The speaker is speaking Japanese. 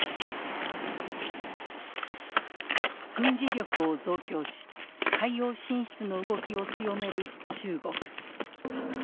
軍事力を増強し海洋進出の動きを強める中国。